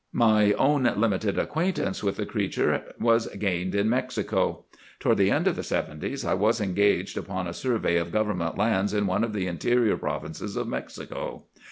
My own limited acquaintance with the creature was gained in Mexico. "Toward the end of the seventies I was engaged upon a survey of government lands in one of the interior provinces of Mexico.